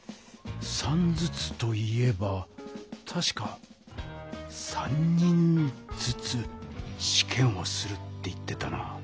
３ずつと言えばたしか「３人ずつしけんをする」って言ってたな。